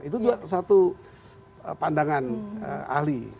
itu satu pandangan ahli